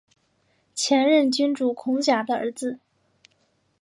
前任君主孔甲的儿子。